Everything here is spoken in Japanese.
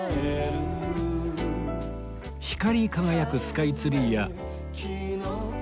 光り輝くスカイツリーや